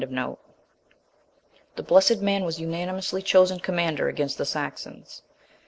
The Blessed man was unanimously chosen commander against the Saxons.